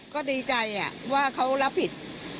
ก็ดีใจว่าเขารับผิด